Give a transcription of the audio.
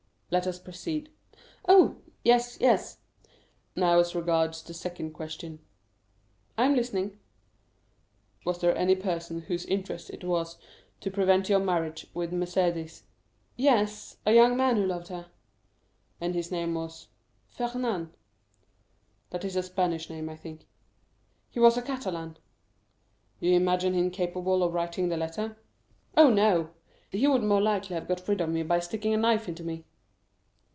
"Let us proceed." "Oh, yes, yes!" "Now as regards the second question." "I am listening." "Was there any person whose interest it was to prevent your marriage with Mercédès?" "Yes; a young man who loved her." "And his name was——" "Fernand." "That is a Spanish name, I think?" "He was a Catalan." "You imagine him capable of writing the letter?" "Oh, no; he would more likely have got rid of me by sticking a knife into me."